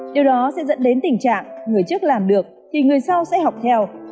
điều đó sẽ dẫn đến tình trạng người trước làm được thì người sau sẽ học theo